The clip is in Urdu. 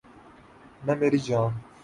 نہ مری جاں